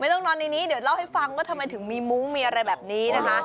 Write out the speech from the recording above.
ต้องนอนในนี้เดี๋ยวเล่าให้ฟังว่าทำไมถึงมีมุ้งมีอะไรแบบนี้นะคะ